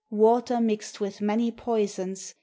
Water mixed with many poisons.